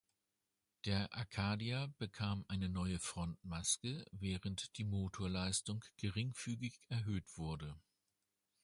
Der Acadia bekam eine neue Frontmaske, während die Motorleistung geringfügig erhöht wurde.